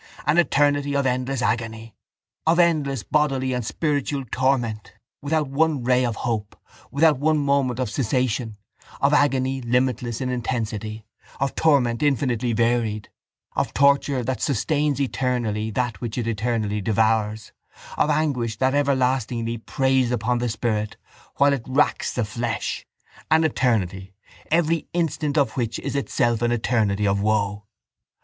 An eternity of endless agony, of endless bodily and spiritual torment, without one ray of hope, without one moment of cessation, of agony limitless in intensity, of torment infinitely varied, of torture that sustains eternally that which it eternally devours, of anguish that everlastingly preys upon the spirit while it racks the flesh, an eternity, every instant of which is itself an eternity of woe.